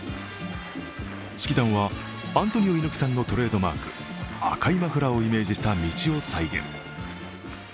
式壇は、アントニオ猪木さんのトレードマーク、赤いマフラーをイメージした道を再現。